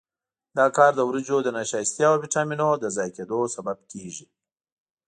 دا کار د وریجو د نشایستې او ویټامینونو د ضایع کېدو سبب کېږي.